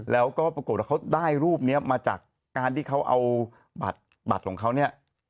แล้วก็ปรากฏว่าเขาได้รูปนี้มาจากการที่เขาเอาบัตรของเขาเนี่ย